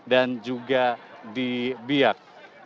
dan juga di biak